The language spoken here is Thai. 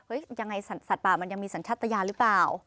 ยังไงสัตว์ป่ามันยังมีสัญชาติยานหรือเปล่า